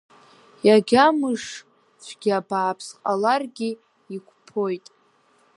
Иагьа мыш цәгьа бааԥс ҟаларгьы иқәԥоит.